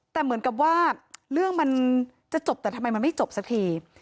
แต่เหมือนกับว่าเรื่องมันจะจบแต่ทำไมมันไม่จบสักที